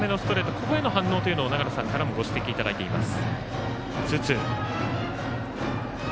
ここへの反応というのも長野さんからご指摘いただいています。